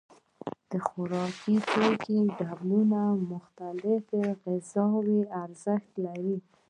د خوراکي توکو ډولونه مختلف غذایي ارزښت لري.